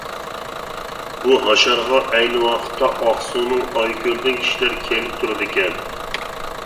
بۇ ھاشارغا ئەينى ۋاقتىدا، ئاقسۇنىڭ ئايكۆلدىن كىشىلەر كېلىپ تۇرىدىكەن.